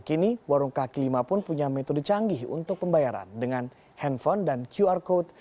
kini warung kaki lima pun punya metode canggih untuk pembayaran dengan handphone dan qr code